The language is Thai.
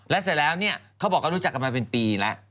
แล้วเสร็จแล้วเนี่ยเขาบอกว่ารู้จักกันมาเป็นปีแล้ว